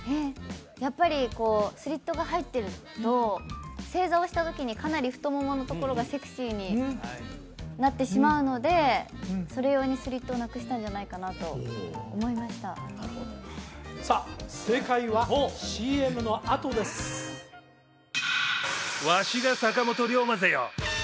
やっぱりこうスリットが入ってると正座をしたときにかなり太もものところがセクシーになってしまうのでそれ用にスリットをなくしたんじゃないかなと思いましたなるほどさあ正解はＣＭのあとですわしが坂本龍馬ぜよ